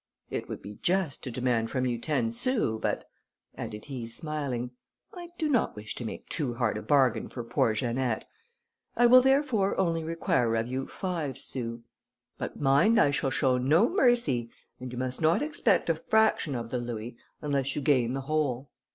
It would be just to demand from you ten sous, but," added he, smiling, "I do not wish to make too hard a bargain for poor Janette; I will, therefore, only require of you five sous; but mind, I shall show no mercy, and you must not expect a fraction of the louis, unless you gain the whole.